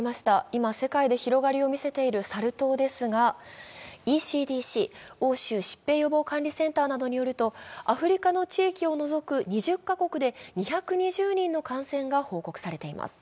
今世界で広がりをみせているサル痘ですがＥＣＤＣ＝欧州疾病予防管理センターなどによると、アフリカの地域を除く２０カ国で２２０人の感染が報告されています。